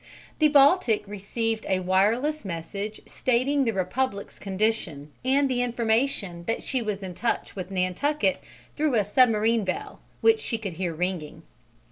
The Baltic received a wireless message stating the Republic's condition and the information that she was in touch with Nantucket through a submarine bell which she could hear ringing.